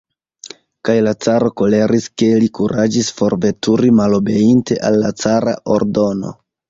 Kaj la caro koleris, ke li kuraĝis forveturi, malobeinte al la cara ordono.